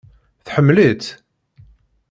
Tḥemmel-itt?